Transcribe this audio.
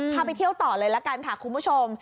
ไปเที่ยวต่อเลยละกันค่ะคุณผู้ชม